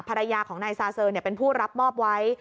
ภรรยาของนายซาเซอร์เป็นผู้รับมอบไว้